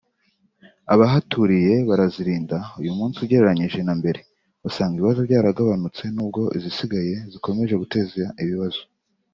abahaturiye barazirinda…Uyu munsi ugereranyije na mbere usanga ibibazo byaragabanutse nubwo izisigaye zigikomeje guteza ibibazo